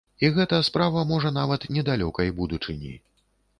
І гэта справа можа нават недалёкай будучыні.